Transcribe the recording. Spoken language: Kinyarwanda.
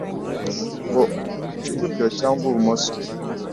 ngo uce iburyo cyangwa ibumoso,